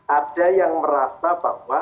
ada yang merasa bahwa